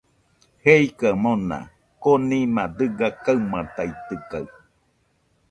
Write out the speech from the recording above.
Jeikɨaɨ mona, konima dɨga kaɨmaitaitɨkaɨ